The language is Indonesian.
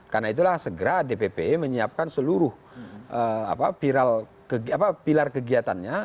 karena itulah segera dpp menyiapkan seluruh pilar kegiatannya